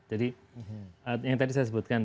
jadi yang tadi saya sebutkan